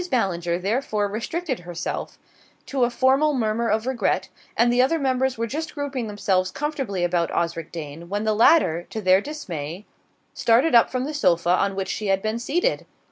Ballinger therefore restricted herself to a formal murmur of regret, and the other members were just grouping themselves comfortably about Osric Dane when the latter, to their dismay, started up from the sofa on which she had been seated.